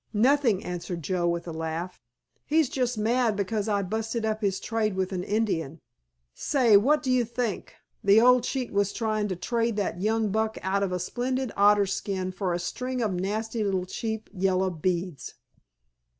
"Nothing," answered Joe with a laugh, "he's just mad because I busted up his trade with an Indian. Say, what do you think, the old cheat was tryin' to trade that young buck out of a splendid otter skin for a string of nasty little cheap yellow beads!"